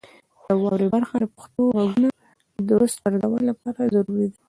واورئ برخه د پښتو غږونو د درست ارزونې لپاره ضروري ده.